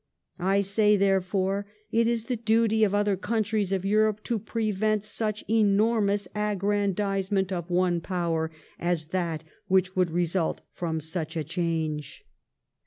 I say, therefore, it is the duty of the other counl^ies of Europe to preyent such enormous aggrandizement of one Power as that which would result from such a change.